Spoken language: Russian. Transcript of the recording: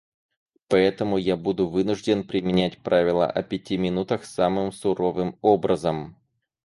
Поэтому я буду вынужден применять правило о пяти минутах самым суровым образом.